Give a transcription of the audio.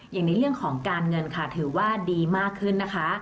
อย่างในเรื่องของการเงินค่ะถือว่าดีมากขึ้นนะคะ